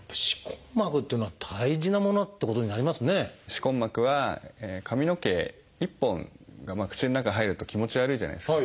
歯根膜は髪の毛１本が口の中へ入ると気持ち悪いじゃないですか。